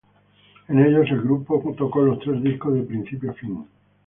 En ellos, el grupo tocó los tres discos de principio a fin.